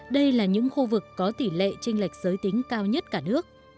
đây là những khu vực có tỷ lệ trinh lệch giới tính cao nhất cả nước